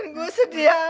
kan gue datengin si romana